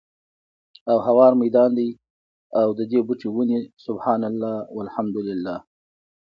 او هوار ميدان دی، او ددي بوټي وني سُبْحَانَ اللهِ، وَالْحَمْدُ للهِ